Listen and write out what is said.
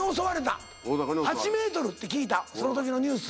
８ｍって聞いたその時のニュース。